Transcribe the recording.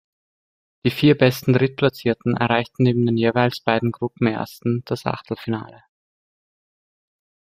Die vier besten Drittplatzierten erreichten neben den jeweils beiden Gruppenersten das Achtelfinale.